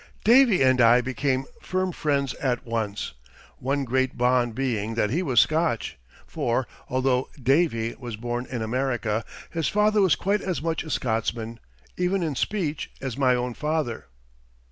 "Davy" and I became firm friends at once, one great bond being that he was Scotch; for, although "Davy" was born in America, his father was quite as much a Scotsman, even in speech, as my own father.